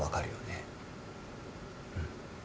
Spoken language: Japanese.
うん。